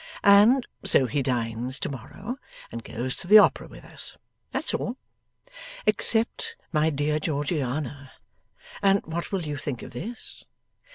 And so he dines to morrow and goes to the Opera with us. That's all. Except, my dear Georgiana and what will you think of this!